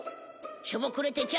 しょぼくれてちゃ